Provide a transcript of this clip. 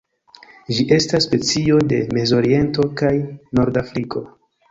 Ĝi estas specio de Mezoriento kaj Nordafriko.